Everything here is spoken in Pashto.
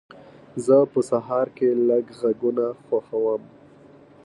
زه په سهار لږ غږونه خوښوم.